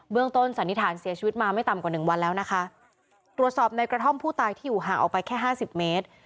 ต้นสันนิษฐานเสียชีวิตมาไม่ต่ำกว่าหนึ่งวันแล้วนะคะตรวจสอบในกระท่อมผู้ตายที่อยู่ห่างออกไปแค่ห้าสิบเมตร